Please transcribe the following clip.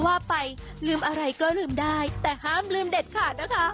ว่าไปลืมอะไรก็ลืมได้แต่ห้ามลืมเด็ดขาดนะคะ